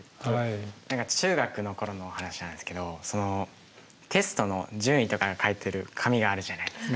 中学の頃の話なんですけどテストの順位とかが書いてある紙があるじゃないですか。